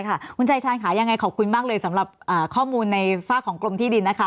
คุณชายชาญค่ะยังไงขอบคุณมากเลยสำหรับข้อมูลในฝากของกรมที่ดินนะคะ